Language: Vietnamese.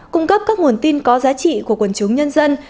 cung cấp các nguồn tin có giá trị của quần chúng nhân dân